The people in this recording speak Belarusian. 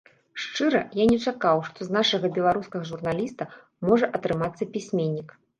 Шчыра, я не чакаў, што з нашага беларускага журналіста можа атрымацца пісьменнік.